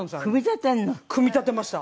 組み立てました。